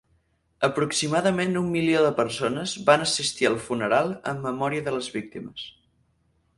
Aproximadament un milió de persones va assistir al funeral en memòria de les víctimes.